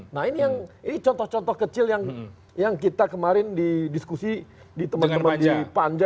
nah ini yang contoh contoh kecil yang kita kemarin di diskusi di teman teman di panja